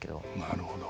なるほど。